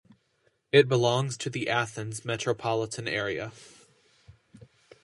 It belongs to the Athens metropolitan area.